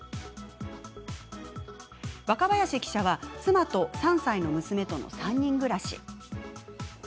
若林記者は妻と３歳の娘との３人暮らし。